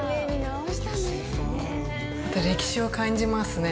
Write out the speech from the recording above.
歴史を感じますね。